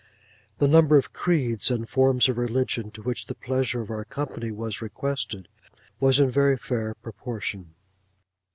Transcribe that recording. The number of creeds and forms of religion to which the pleasure of our company was requested, was in very fair proportion.